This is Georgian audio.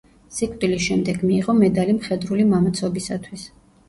სიკვდილის შემდეგ მიიღო მედალი მხედრული მამაცობისათვის.